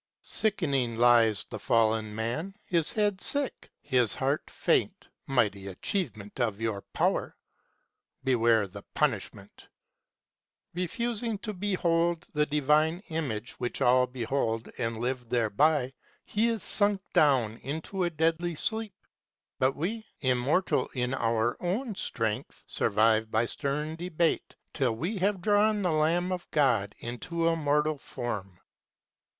Sickening lies the Fallen Man, his head sick, his heart faint, Mighty achievement of your power ! Beware the punishment ! Refusing to behold the Divine Image which all behold 27S And live thereby, he is sunk down into a deadly sleep. But we, immortal in our own strength, survive by stern debate Till we have drawn the Lamb of God into a mortal form.